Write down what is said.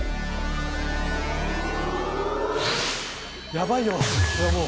やばいよこれはもう。